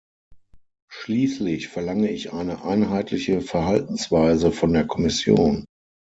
Schließlich verlange ich eine einheitliche Verhaltensweise von der Kommission.